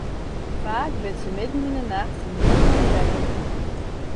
Faak wurdt se midden yn 'e nacht gûlend wekker.